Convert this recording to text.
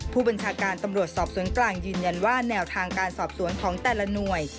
ผู้บัญชาการตำรวจสอบสวนกลางยืนยันว่าแนวทางการสอบสวนของแต่ละหน่วย